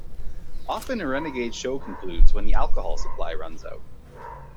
Often a renegade show concludes when the alcohol supply runs out.